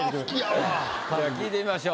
聞いてみましょう。